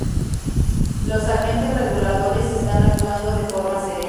Los agentes reguladores están actuando de forma serena.